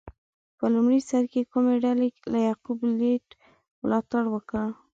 په لومړي سر کې کومې ډلې له یعقوب لیث ملاتړ وکړ؟